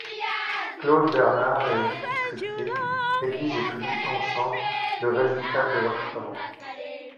Claude Bernard et Auguste Tripier rédigent et publient ensemble le résultat de leurs travaux.